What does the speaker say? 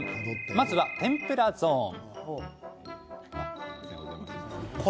まずは、天ぷらゾーン。